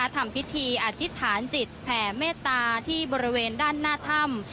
ทำพิธีอธิษฐานจิตแผ่เมตตาที่บริเวณด้านหน้าถ้ำ